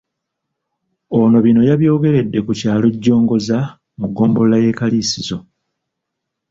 Ono bino yabyogeredde ku kyalo Jongoza mu ggombolola y'e Kaliisizo.